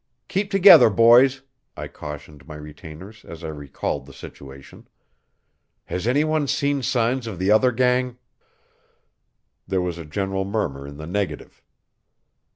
"Keep together, boys," I cautioned my retainers as I recalled the situation. "Has any one seen signs of the other gang?" There was a general murmur in the negative.